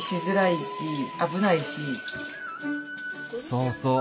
そうそう！